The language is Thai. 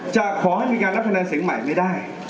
จะขอให้มีการนับคะแนนเสียงใหม่ไม่ได้